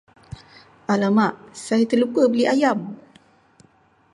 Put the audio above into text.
Alamak, saya terlupa beli ayam!